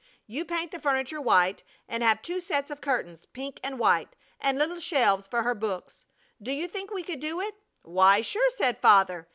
You paint the furniture white, and have two sets of curtains, pink and white, and little shelves for her books. Do you think we could do it?" "Why, sure!" said Father.